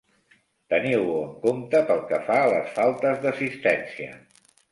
Teniu-ho en compte pel que fa a les faltes d'assistència.